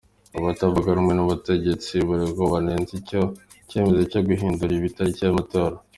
Abatavuga rumwe n’ubutegetsi buriho banenze icyo cyemezo cyo guhindura itariki y’amatora.